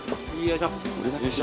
よいしょ。